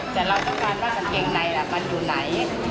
แต่เราต้องการว่ากางเกงในมันอยู่ไหน